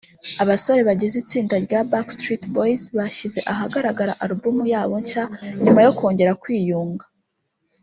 Abasore bagize itsinda rya Backstreet Boys bashyize ahagaragara album yabo nshya nyuma yo kongera kwiyunga